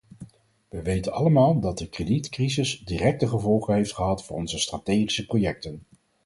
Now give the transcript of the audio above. We weten allemaal dat de kredietcrisis directe gevolgen heeft gehad voor onze strategische projecten.